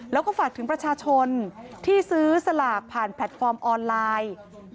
แล้วก็ฝากถึงประชาชนที่ซื้อสลากผ่านแพลตฟอร์มออนไลน์